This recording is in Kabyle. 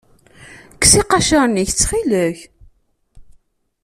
Kkes iqaciren-ik, ttxil-k.